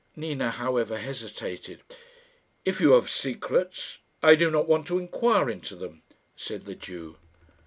Nina, however, hesitated. "If you have secrets, I do not want to inquire into them," said the Jew.